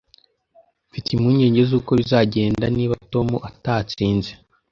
Mfite impungenge zuko bizagenda niba Tom atatsinze